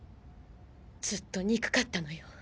ずっと憎かったのよ。